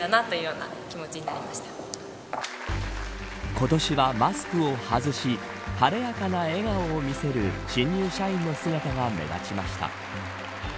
今年はマスクを外し晴れやかな笑顔を見せる新入社員の姿が目立ちました。